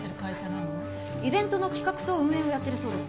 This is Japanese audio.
イベントの企画と運営をやってるそうです。